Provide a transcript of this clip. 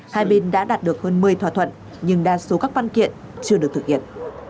hai bên đã đạt được hơn một mươi thỏa thuận nhưng đa số các văn kiện chưa được thực hiện